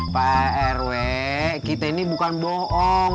perwe kita ini bukan bohong